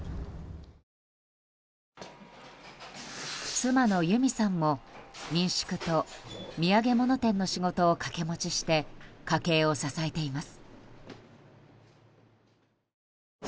妻の由美さんも民宿と土産物店の仕事を掛け持ちして家計を支えています。